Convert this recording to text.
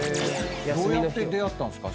どうやって出合ったんすか？